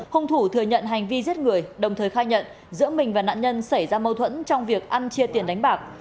hùng thủ thừa nhận hành vi giết người đồng thời khai nhận giữa mình và nạn nhân xảy ra mâu thuẫn trong việc ăn chia tiền đánh bạc